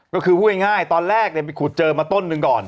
ก็คือพูดง่ายตอนแรกไปขุดเจอมาต้นหนึ่งก่อน